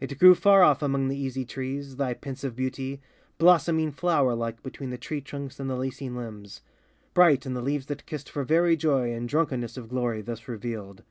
It grew far off among the easy trees, Thy pensive beauty, blossoming flower like Between the tree trunks and the lacing limbs; Bright in the leaves that kissed for very joy And drunkenness of glory thus revealed.